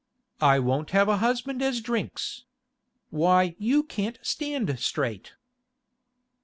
I won't have a husband as drinks! Why, you can't stand straight.